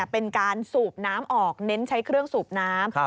เป็นการสูบน้ำออกเน้นใช้เครื่องสูบน้ำ